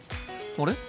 あれ？